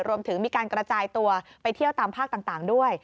รวมถึงมีการกระจายตัวไปเที่ยวตามภาคต่างด้วย